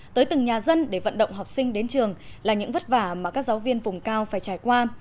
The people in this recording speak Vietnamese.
tới từng nhà dân để vận động học sinh đến trường là những vất vả mà các giáo viên vùng cao phải trải qua